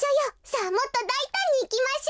さあもっとだいたんにいきましょ！